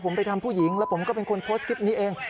ผมไปทำผู้หญิงแล้วผมก็เป็นคนโพสต์คลิปนี้เอง